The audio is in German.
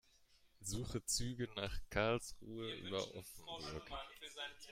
Suche Züge nach Karlsruhe über Offenburg.